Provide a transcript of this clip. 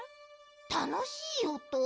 たのしいおと？